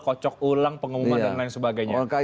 kocok ulang pengumuman dan lain sebagainya